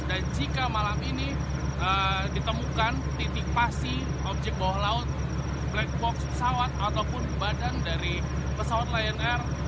jika malam ini ditemukan titik pasti objek bawah laut black box pesawat ataupun badan dari pesawat lion air